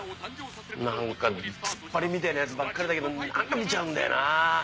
何かツッパリみてぇなヤツばっかりだけど何か見ちゃうんだよな。